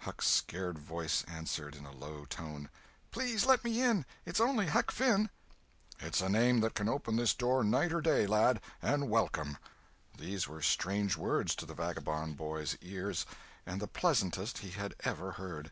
Huck's scared voice answered in a low tone: "Please let me in! It's only Huck Finn!" "It's a name that can open this door night or day, lad!—and welcome!" These were strange words to the vagabond boy's ears, and the pleasantest he had ever heard.